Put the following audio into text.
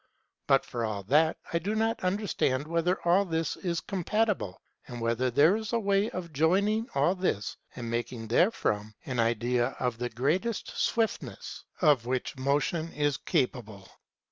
But for all that I do not understand whether all this is compatible and whether there is a way of joining all this and making therefrom an idea of the greatest swiftness of which 134 motion is capable.